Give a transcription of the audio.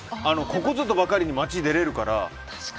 ここぞとばかりに街に出られるから。